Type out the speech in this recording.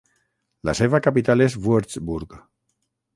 La seva capital es Würzburg.